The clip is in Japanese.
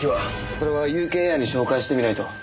それはＵＫエアに照会してみないと。